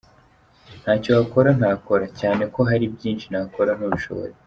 Ntacyo wakora ntakora, cyane ko hari na byinshi nakora ntubishobore.